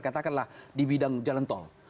katakanlah di bidang jalan tol